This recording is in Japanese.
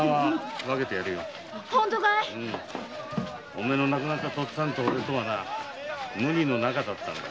お前の死んだとっつぁんとは無二の仲だったんだ。